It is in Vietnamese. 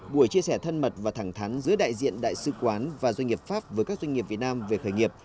buổi chia sẻ thân mật và thẳng thắn giữa đại diện đại sứ quán và doanh nghiệp pháp với các doanh nghiệp việt nam về khởi nghiệp